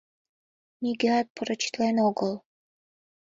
— Нигӧат поручитлен огыл.